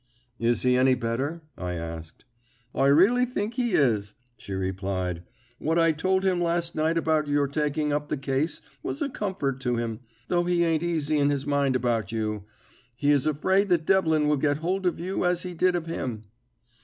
"Is he any better?" I asked. "I really think he is," she replied. "What I told him last night about your taking up the case was a comfort to him though he ain't easy in his mind about you. He is afraid that Devlin will get hold of you as he did of him."